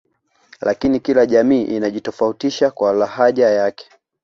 Lakini kila jamii inajitofautisha kwa lahaja yake